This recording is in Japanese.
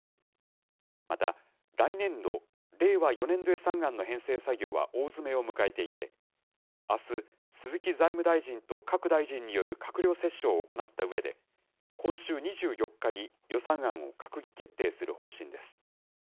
また、来年度・令和４年度予算案の編成作業は大詰めを迎えていて、あす、鈴木財務大臣と各大臣による閣僚折衝を行ったうえで、今週２４日に予算案を閣議決定する方針です。